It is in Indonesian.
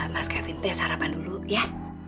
mas kevin sarapan dulu ya